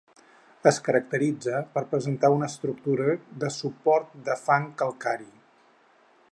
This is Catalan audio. Es caracteritza per presentar una estructura de suport de fang calcari.